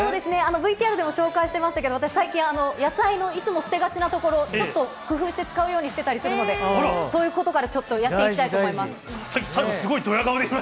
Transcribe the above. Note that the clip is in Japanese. ＶＴＲでも紹介してましたけど、私、最近、野菜のいつも捨てがちな所、ちょっと工夫して使うようにしてたりするので、そういうことからちょっとやっていきたいと思いま